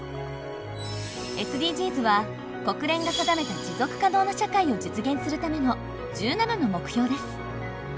ＳＤＧｓは国連が定めた持続可能な社会を実現するための１７の目標です。